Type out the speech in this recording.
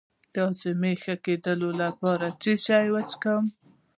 د هضم د ښه کیدو لپاره څه شی وڅښم؟